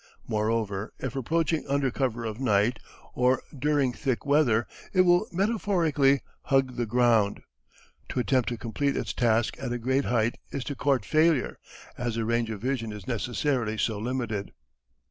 Moreover, if approaching under cover of night or during thick weather, it will metaphorically "hug the ground." To attempt to complete its task at a great height is to court failure, as the range of vision is necessarily so limited.